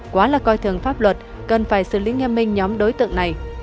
quá là coi thường pháp luật cần phải xử lý nghiêm minh nhóm đối tượng này